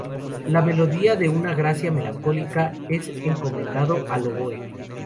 La melodía de una "gracia melancólica" es encomendado al oboe.